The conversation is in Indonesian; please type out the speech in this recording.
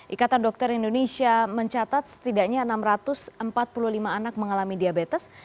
ikatan dokter indonesia mencatat setidaknya enam ratus empat puluh lima anak mengalami diabetes